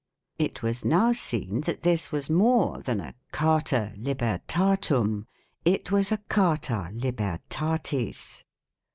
It was now seen that this was more than a "carta libertatum ": it was a "carta libertatis".